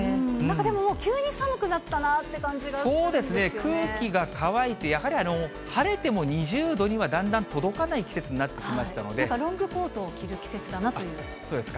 でも急に寒くなったなというそうですね、空気が乾いて、やはり晴れても２０度にはだんだん届かない季節になってきましたなんかロングコートを着る季そうですか。